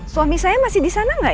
suami saya masih di sana gak ya